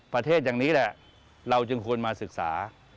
ประเทศอย่างนี้แหละเราจึงควรมาศึกษา